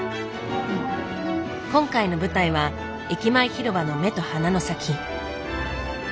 今回の舞台は駅前広場の目と鼻の先。